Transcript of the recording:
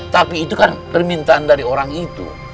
tapi itu kan permintaan dari orang itu